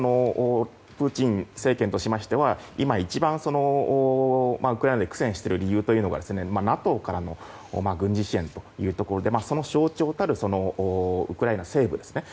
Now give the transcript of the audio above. プーチン政権としましては今、一番ウクライナで苦戦している理由がＮＡＴＯからの軍事支援ということでその象徴たるウクライナ西部ですね。